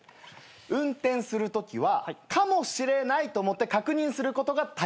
運転するときはかもしれないと思って確認することが大切なんです。